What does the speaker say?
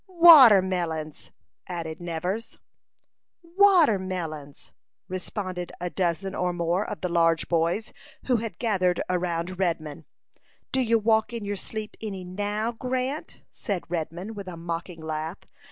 "Watermelons!" added Nevers. "Watermelons!" responded a dozen or more of the large boys, who had gathered around Redman. "Do you walk in your sleep any now, Grant?" said Redman, with a mocking laugh.